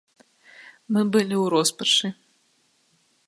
Мы былі ў роспачы.